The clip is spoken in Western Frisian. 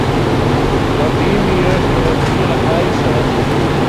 Dat wie my juster in hiele heisa.